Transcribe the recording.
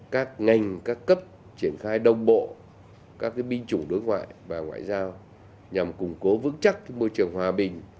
các ngành các cấp triển khai đồng bộ các binh chủng đối ngoại và ngoại giao nhằm củng cố vững chắc môi trường hòa bình